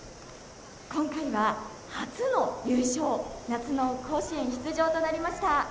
今回は初の優勝夏の甲子園出場となりました。